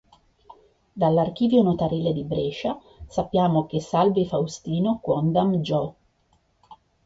Dall’Archivio Notarile di Brescia sappiamo che "“Salvi Faustino quondam Gio.